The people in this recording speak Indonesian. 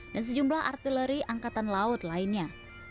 dan sejumlah artileri angkatan laut lainnya